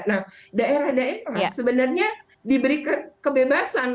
nah daerah daerah sebenarnya diberi kebebasan